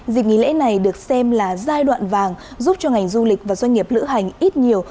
dịp nghỉ lễ này được xem là giai đoạn vàng giúp cho ngành du lịch và doanh nghiệp lữ hành ít nhiều